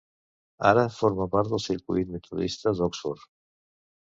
Ara forma part del circuit metodista d'Oxford.